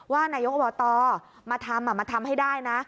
นายกอบตมาทำมาทำให้ได้นะ